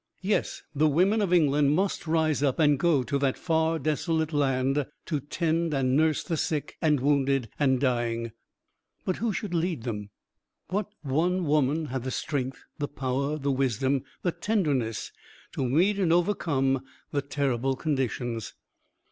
Yes, the women of England must rise up and go to that far, desolate land to tend and nurse the sick and wounded and dying; but who should lead them? What one woman had the strength, the power, the wisdom, the tenderness, to meet and overcome the terrible conditions?